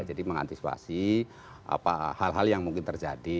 jadi mengantisipasi hal hal yang mungkin terjadi